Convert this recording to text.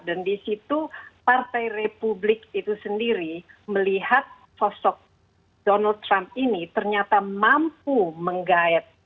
dan di situ partai republik itu sendiri melihat sosok donald trump ini ternyata mampu menggayat